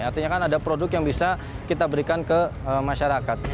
artinya kan ada produk yang bisa kita berikan ke masyarakat